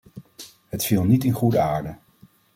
Het viel niet in goede aarde.